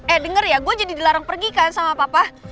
eh denger ya gue jadi dilarang pergi kan sama papa